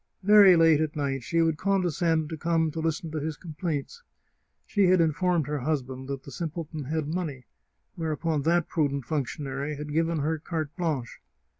Very late at night she would condescend to come to listen to his complaints — she had informed her husband that the sim pleton had money, whereupon that prudent functionary had given her carte blanche.